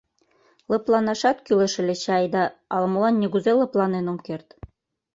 Лыпланашат кӱлеш ыле чай, да ала-молан нигузе лыпланен ом керт.